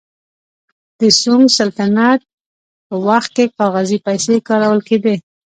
د سونګ سلطنت په وخت کې کاغذي پیسې کارول کېدې.